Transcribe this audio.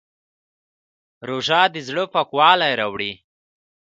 روژه د زړه پاکوالی راوړي.